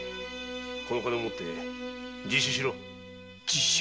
この金を持って自首しろ自首？